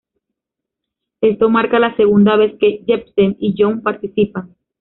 Esto marca la segunda vez que Jepsen y Young participan.